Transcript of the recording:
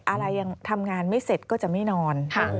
อะไรยังทำงานไม่เสร็จก็จะไม่นอน